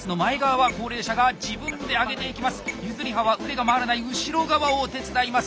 楪は腕が回らない後ろ側を手伝います。